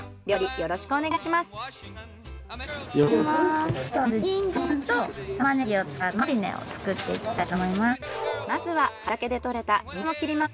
よろしくお願いします。